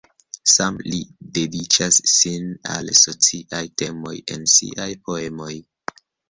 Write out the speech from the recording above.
Same li dediĉas sin al sociaj temoj en siaj poemoj.